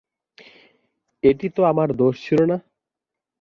এটি তো আমার দোষ ছিল না।